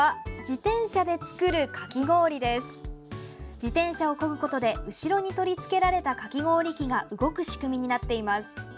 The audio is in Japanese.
自転車をこぐことで後ろに取り付けられたかき氷機が動く仕組みになっています。